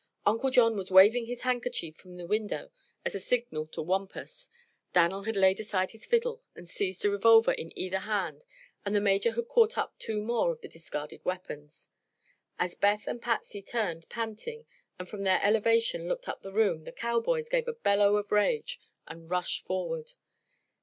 Uncle John was waving his handkerchief from the window as a signal to Wampus; Dan'l had laid aside his fiddle and seized a revolver in either hand, and the Major had caught up two more of the discarded weapons. As Beth and Patsy turned, panting, and from their elevation looked up the room, the cowboys gave a bellow of rage and rushed forward.